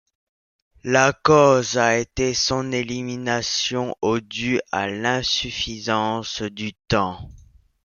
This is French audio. La cause a été son élimination au due à l’insuffisance du temps.